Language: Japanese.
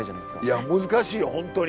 いや難しいよ本当に。